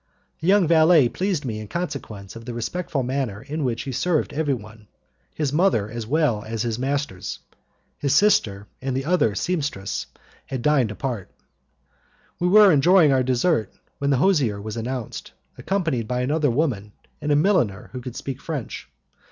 The young valet pleased me in consequence of the respectful manner in which he served everyone, his mother as well as his masters. His sister and the other seamstress had dined apart. We were enjoying our dessert when the hosier was announced, accompanied by another woman and a milliner who could speak French.